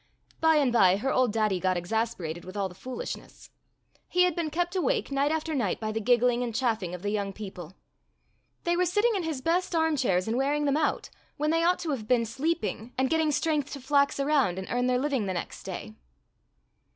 By and by her old daddy got exasperated with all the foolishness. He had been kept awake night after night by the giggling and chaffing of the young people. They were sit ting in his best armchairs and wearing them out when they ought to have been sleeping 16 Fairy Tale Foxes and getting strength to flax around and earn their living the next day.